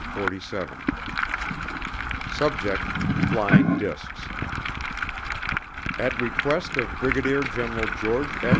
Fitch SUBJECT: FLYING DISKS At request of Brigadier General George F.